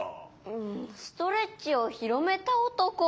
うんストレッチをひろめたおとこ。